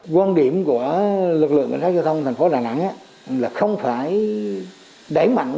quan điểm của lực lượng công an xã giao thông thành phố đà nẵng là không phải đẩy mạnh